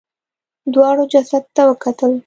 دواړو جسد ته وکتل.